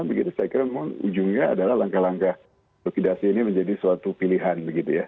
begitu saya kira memang ujungnya adalah langkah langkah sotidasi ini menjadi suatu pilihan begitu ya